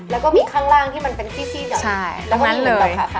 แล้วก็มีข้างล่างที่มันเป็นซี่เฉย